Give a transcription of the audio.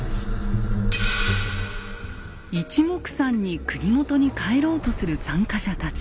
いちもくさんに国元に帰ろうとする参加者たち。